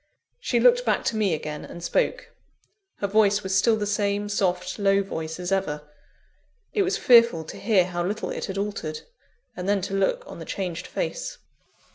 She looked back to me again, and spoke. Her voice was still the same soft, low voice as ever. It was fearful to hear how little it had altered, and then to look on the changed face.